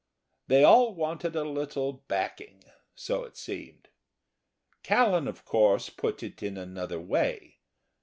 They all wanted a little backing, so it seemed. Callan, of course, put it in another way.